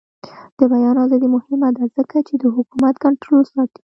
د بیان ازادي مهمه ده ځکه چې د حکومت کنټرول ساتي.